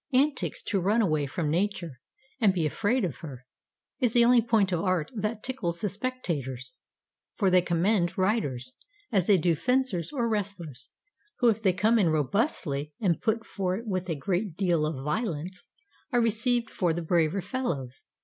antics to run away from nature, and be afraid of her, is the only point of art that tickles the spectators ... For they commend writers, as they do fencers or wrestlers; who if they come in robustuously, and put for it with a great deal of violence, are received for the braver fellows....